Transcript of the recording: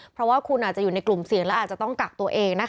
เพราะว่าคุณอาจจะอยู่ในกลุ่มเสี่ยงและอาจจะต้องกักตัวเองนะคะ